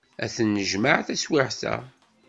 Ad t-nejmeɛ taswiɛt-a.